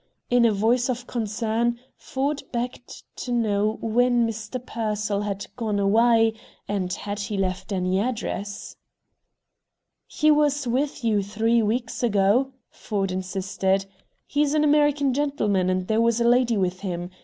In a voice of concern Ford begged to know when Mr. Pearsall had gone away, and had he left any address. "He was with you three weeks ago," Ford insisted. "He's an American gentleman, and there was a lady with him.